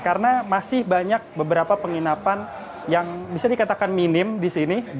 karena masih banyak beberapa penginapan yang bisa dikatakan minim disini